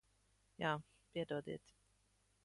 Jā. Piedodiet.